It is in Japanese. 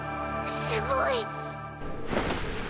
すごい。